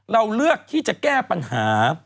เราเลือกที่จะแก้ปัญหา